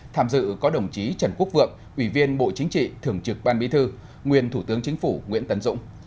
tham dự có đồng chí trần quốc vượng ủy viên bộ chính trị thường trực ban bí thư nguyên thủ tướng chính phủ nguyễn tấn dũng